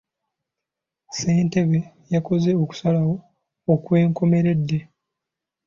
Ssentebe yakoze okusalawo okw'enkomeredde.